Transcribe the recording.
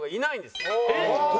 えっ！